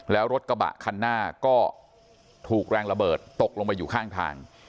แล้วรถกระบะคันหน้าก็ถูกแรงระเบิดตกลงไปอยู่ข้างทาง